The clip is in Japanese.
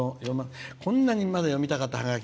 こんなにまだ読みたかったハガキ。